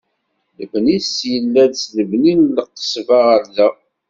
Lebni-s yella-d si lebni n Lqesba ɣer da.